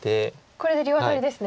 これで両アタリですね。